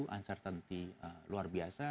uncertainty luar biasa